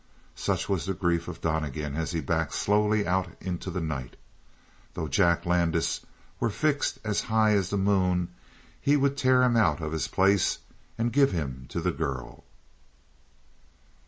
Such was the grief of Donnegan as he backed slowly out into the night. Though Jack Landis were fixed as high as the moon he would tear him out of his place and give him to the girl.